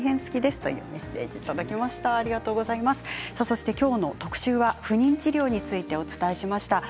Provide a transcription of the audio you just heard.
そしてきょうの特集は不妊治療についてでした。